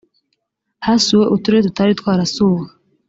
hasuwe uturere tutari twarasuwe